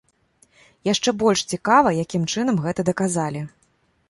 Яшчэ больш цікава, якім чынам гэта даказалі.